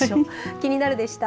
キニナル！でした。